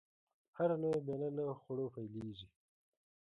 هره لويه میله له خوړو پیلېږي.